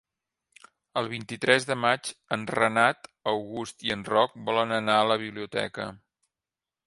El vint-i-tres de maig en Renat August i en Roc volen anar a la biblioteca.